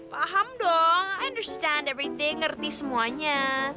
paham dong understand everything ngerti semuanya